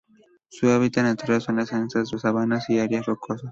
Su hábitat natural son las secas sabanas y áreas rocosas.